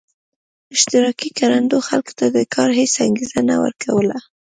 اشتراکي کروندو خلکو ته د کار هېڅ انګېزه نه ورکوله.